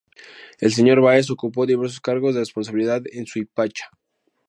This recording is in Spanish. El señor Báez ocupó diversos cargos de responsabilidad en Suipacha.